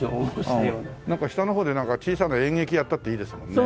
下の方でなんか小さな演劇やったっていいですもんね。